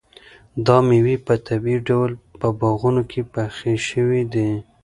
دا مېوې په طبیعي ډول په باغونو کې پخې شوي دي.